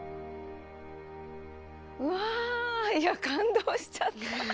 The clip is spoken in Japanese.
うわいや感動しちゃった。